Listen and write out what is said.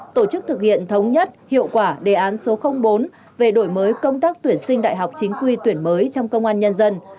tổ chức thực hiện thống nhất hiệu quả đề án số bốn về đổi mới công tác tuyển sinh đại học chính quy tuyển mới trong công an nhân dân